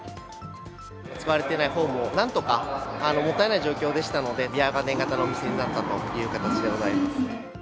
使われていないホームをなんとかもったいない状況でしたので、ビアガーデン型のお店になったという形でございます。